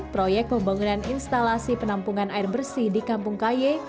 proyek pembangunan instalasi penampungan air bersih di kampung kaye